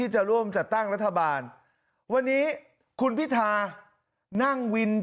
จากคุณพิทานั่งวิน